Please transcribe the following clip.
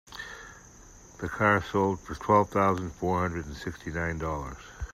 The car sold for twelve thousand four hundred and sixty nine dollars.